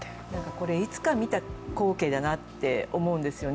これ、いつか見た光景だなって思うんですよね。